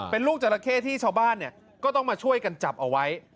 เป็นลูกจราเข้ที่ชาวบ้านก็ต้องมาช่วยกันจับเอาไว้